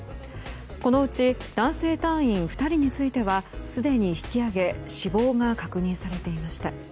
このうち男性隊員２人についてはすでに引き揚げ死亡が確認されていました。